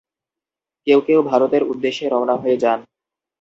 কেউ কেউ ভারতের উদ্দেশ্যে রওনা হয়ে যান।